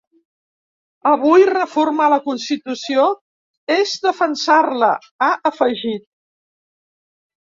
Avui, reformar la constitució és defensar-la, ha afegit.